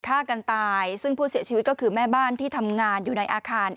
ฆ่ากันตายซึ่งผู้เสียชีวิตก็คือแม่บ้านที่ทำงานอยู่ในอาคาร